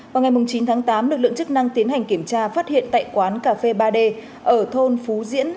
vào ngày chín tháng tám lực lượng chức năng tiến hành kiểm tra phát hiện tại quán cà phê ba d ở thôn phú diễn